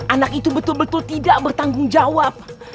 anak itu betul betul tidak bertanggung jawab